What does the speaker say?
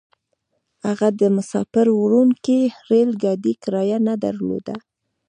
هغه د مساپر وړونکي ريل ګاډي کرايه نه درلوده.